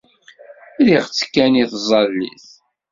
Rriɣ-tt kan i tẓallit.